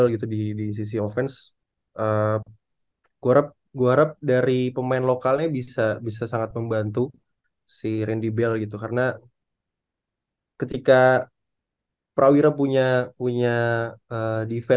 lu lihat beberapa game dia